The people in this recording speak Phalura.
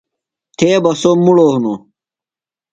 تھےۡ بہ سوۡ مڑوۡ ہِنوۡ